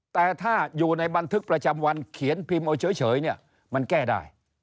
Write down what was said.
แต่ถ้าอยู่ในบันทึกประจำวันเขียนพิมพ์เอาเฉยเนี่ยมันแก้ได้